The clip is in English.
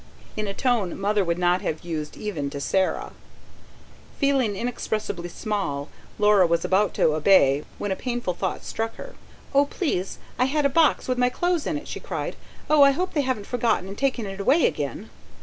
in a tone Mother would not have used even to Sarah. Feeling inexpressibly small Laura was about to obey, when a painful thought struck her. "Oh please, I had a box with my clothes in it!" she cried. "Oh, I hope they haven't forgotten and taken it away again."